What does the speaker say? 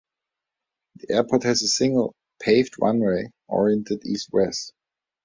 The airport has a single, paved runway oriented east-west.